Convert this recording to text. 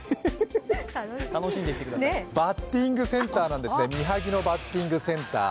バッティングセンターなんですね三萩野バッティングセンター。